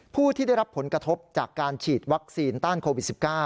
ผู้ที่ได้รับผลกระทบจากการฉีดวัคซีนต้านโควิด๑๙